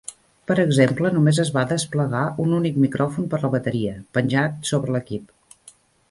Per exemple, només es va desplegar un únic micròfon per la bateria, penjat sobre l'equip.